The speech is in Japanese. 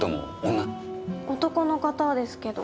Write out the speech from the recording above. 男の方ですけど。